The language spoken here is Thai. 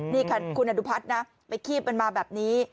นี่ค่ะคุณดันดุพัทย์นะไปขี้บมันมาแบบนี้